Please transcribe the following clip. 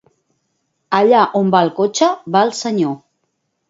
Allà on va el cotxe va el senyor.